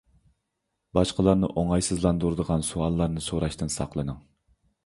باشقىلارنى ئوڭايسىزلاندۇرىدىغان سوئاللارنى سوراشتىن ساقلىنىڭ.